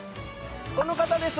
この方です。